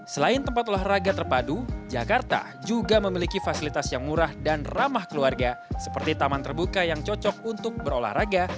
selain tempat olahraga terpadu jakarta juga memiliki fasilitas yang murah dan ramah keluarga seperti taman terbuka yang cocok untuk berolahraga